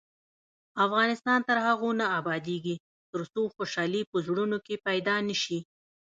افغانستان تر هغو نه ابادیږي، ترڅو خوشحالي په زړونو کې پیدا نشي.